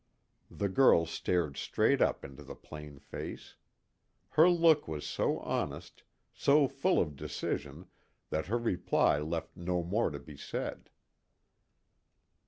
The girl stared straight up into the plain face. Her look was so honest, so full of decision, that her reply left no more to be said.